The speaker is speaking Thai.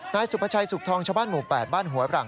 นายสุภาชัยสุขทองชาวบ้านหมู่๘บ้านหัวหลัง